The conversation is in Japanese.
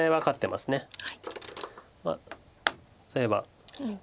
まあ例えば。